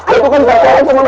itu kan pacaran sama mama